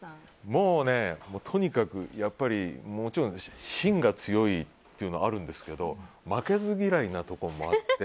もうねとにかく、もちろん芯が強いというのはあるんですけど負けず嫌いなとこもあって。